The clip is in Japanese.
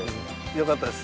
よかったです。